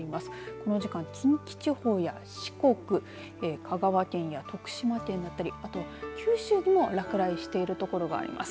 この時間、近畿地方や四国香川県や徳島県だったり、あと九州でも落雷している所があります。